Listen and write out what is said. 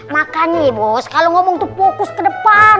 makanya bos kalau ngomong tuh fokus ke depan